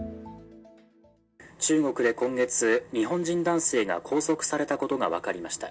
中国で今月、日本人男性が拘束されたことが分かりました。